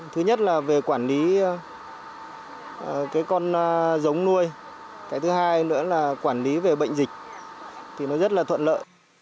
thứ nhất là về quản lý cái con giống nuôi cái thứ hai nữa là quản lý về bệnh dịch thì nó rất là thuận lợi